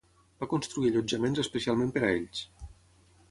Va construir allotjaments especialment per a ells.